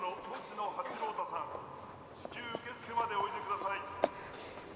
至急受付までおいでください」。